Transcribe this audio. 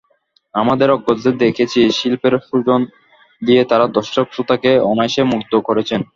আমাদের অগ্রজদের দেখেছি শিল্পের সৃজন দিয়ে তাঁরা দর্শক-শ্রোতাকে অনায়াসে মুগ্ধ করেছেন।